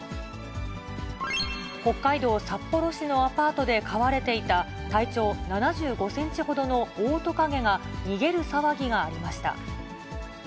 北海道札幌市のアパートで飼われていた、体長７５センチほどのオオトカゲが、逃げる騒ぎがありました。